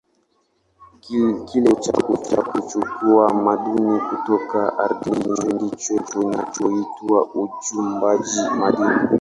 Kile kitendo cha kuchukua madini kutoka ardhini ndicho kinachoitwa uchimbaji madini.